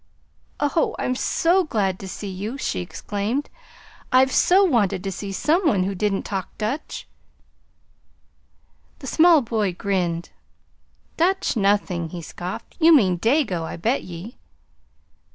"Oh, I'm so glad to see you!" she exclaimed. "I've so wanted to see some one who didn't talk Dutch!" The small boy grinned. "Dutch nothin'!" he scoffed. "You mean Dago, I bet ye."